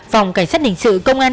phòng cảnh sát đình sự công an